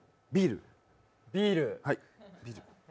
ビール？